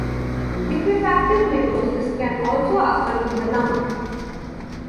Liquefactive necrosis can also occur in the lung.